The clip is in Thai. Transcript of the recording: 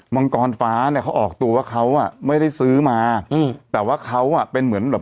มังกรฟ้าเนี่ยเขาออกตัวว่าเขาอ่ะไม่ได้ซื้อมาอืมแต่ว่าเขาอ่ะเป็นเหมือนแบบ